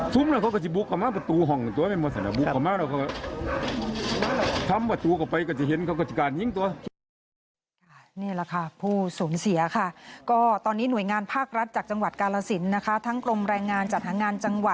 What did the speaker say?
ซุ่มแล้วก็จะบุกเข้ามาประตูห่องตัวเป็นบุกเข้ามา